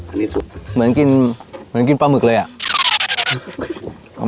อันนี้สุดเหมือนกินเหมือนกินปลาหมึกเลยอ่ะ